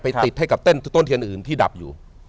ติดให้กับต้นเทียนอื่นที่ดับอยู่